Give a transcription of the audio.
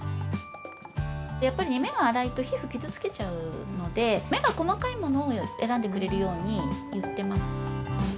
やっぱり目が粗いと、皮膚傷つけちゃうので、目が細かいものを選んでくれるように言っています。